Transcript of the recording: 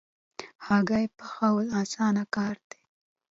هګۍ پخول اسانه کار دی